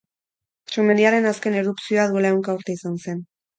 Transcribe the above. Sumendiaren azken erupzioa duela ehunka urte izan zen.